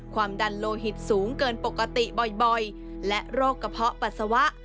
ความดันโลหิตสูงเกินปกติบ่อยและโรคกระเพาะปัสสาวะ